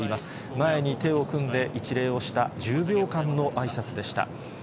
前に手を組んで一礼をした、１０秒間のあいさつでした。